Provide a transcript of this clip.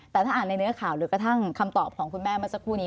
แต่ถ้าอ่านในเนื้อข่าวหรือกระทั่งคำตอบของคุณแม่เมื่อสักครู่นี้